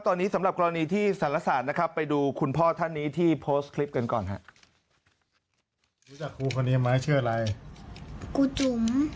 ตอนนี้สำหรับกรณีที่สารศาสตร์นะครับไปดูคุณพ่อท่านนี้ที่โพสต์คลิปกันก่อนครับ